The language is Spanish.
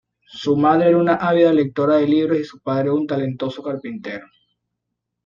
Su madre era una ávida lectora de libros y su padre un talentoso carpintero.